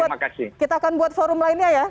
nanti kita akan buat forum lainnya ya